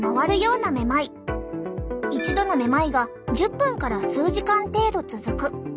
一度のめまいが１０分から数時間程度続く。